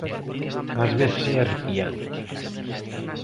Ás veces é arrepiante.